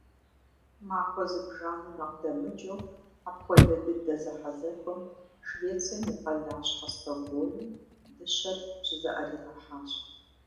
Махуэ зыбжанэ нэхъ дэмыкӀыу апхуэдэ дыдэ зэхьэзэхуэм Швецием и къалащхьэ Стокгольм дыщэр щызыӀэригъэхьащ.